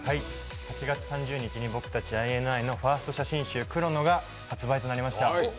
８月３０日に僕たち、ＩＮＩのファースト写真集「Ｃｈｒｏｎｏ」が発売となりました。